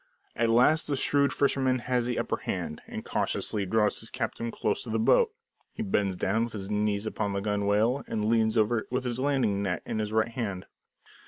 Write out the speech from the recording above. At last the shrewd fisherman has the upper hand, and cautiously draws his captive close up to the boat. He bends down, with his knees upon the gunwale, and leans over with the landing net, in his right hand.